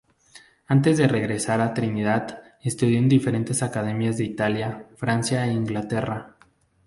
Antes de regresar a Trinidad estudió en diferentes academias de Italia, Francia e Inglaterra.